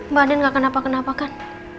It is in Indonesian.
mbak den gak kenapa kenapa kan